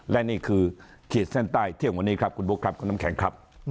และนี่คือขีดเส้นใต้เที่ยงวันนี้ครับคุณบุ๊คครับคุณน้ำแข็งครับ